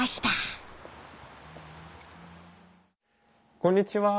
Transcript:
こんにちは。